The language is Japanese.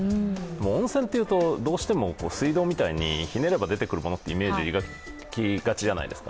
温泉っていうと、どうしても水道みたいにひねれば出てくるものというイメージを抱きがちじゃないですか。